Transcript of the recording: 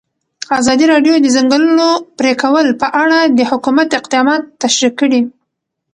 ازادي راډیو د د ځنګلونو پرېکول په اړه د حکومت اقدامات تشریح کړي.